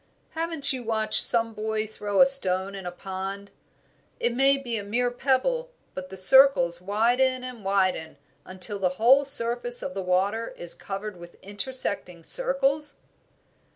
"Haven't you watched some boy throw a stone in a pond? It may be a mere pebble, but the circles widen and widen until the whole surface of the water is covered with intersecting circles?"